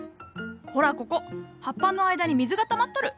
ほらここ葉っぱの間に水がたまっとる。